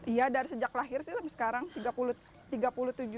iya dari sejak lahir sih sampai sekarang tiga puluh tiga puluh tujuh tahun